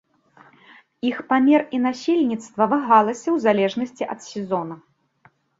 Іх памер і насельніцтва вагаліся ў залежнасці ад сезона.